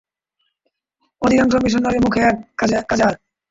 অধিকাংশ মিশনরী মুখে এক, কাজে আর।